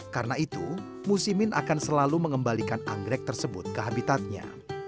karena itu musimin akan selalu mengembalikan anggrek tersebut ke habitatnya